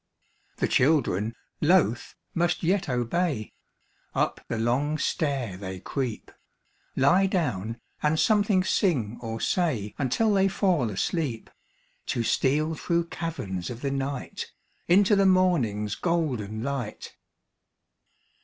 The children, loath, must yet obey; Up the long stair they creep; Lie down, and something sing or say Until they fall asleep, To steal through caverns of the night Into the morning's golden light.